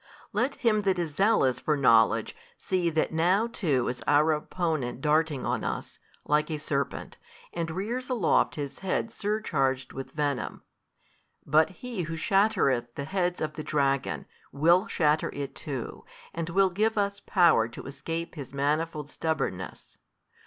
Let him that is zealous for knowledge see that now too is our opponent darting on us, like a serpent, and rears aloft his head surcharged with venom: but He Who shattereth the heads of the Dragon, will shatter it too, and will give us power to escape his manifold stubbornness.